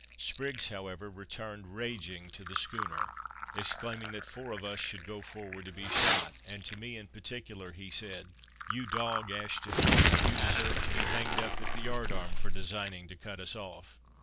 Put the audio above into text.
Spriggs, however, returned raging to the schooner, exclaiming, that four of us should go forward to be shot, and to me in particular he said, "You dog Ashton, you deserve to be hanged up at the yard arm for designing to cut us off."